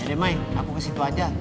ya deh mai aku kesitu aja